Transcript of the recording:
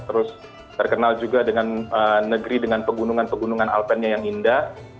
terus terkenal juga dengan negeri dengan pegunungan pegunungan alpennya yang indah